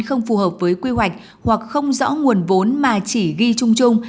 không phù hợp với quy hoạch hoặc không rõ nguồn vốn mà chỉ ghi chung chung